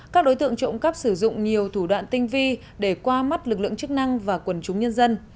các đối tượng trộm cắp sử dụng nhiều thủ đoạn tinh vi để qua mắt lực lượng chức năng và quần chúng nhân dân